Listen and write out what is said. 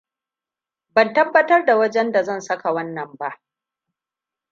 Ban tabbatar da wajenda zan saka wannan ba.